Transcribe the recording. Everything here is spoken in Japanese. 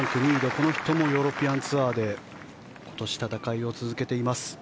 この人もヨーロピアンツアーで今年、戦いを続けています。